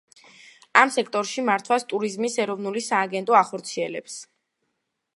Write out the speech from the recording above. ამ სექტორის მართვას ტურიზმის ეროვნული სააგენტო ახორციელებს.